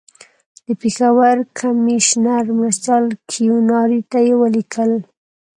د پېښور کمیشنر مرستیال کیوناري ته یې ولیکل.